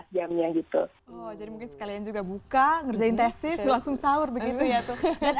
jamnya gitu jadi mungkin sekalian juga buka ngerjain tesis langsung sahur begitu ya tuh